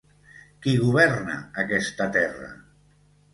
Qui governa aquesta terra?